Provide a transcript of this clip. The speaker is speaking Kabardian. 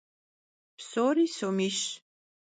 Psori somiş.